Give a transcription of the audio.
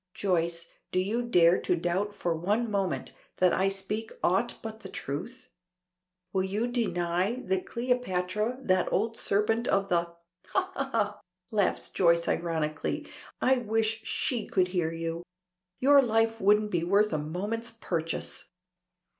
Joyce, do you dare to doubt for one moment that I speak aught but the truth? Will you deny that Cleopatra, that old serpent of the " "Ha ha ha," laughs Joyce ironically. "I wish she could hear you. Your life wouldn't be worth a moment's purchase."